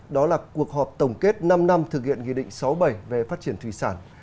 đó là cuộc họp tổng kết năm năm thực hiện nghị định sáu bảy về phát triển thủy sản